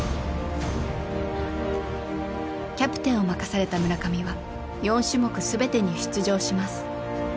キャプテンを任された村上は４種目全てに出場します。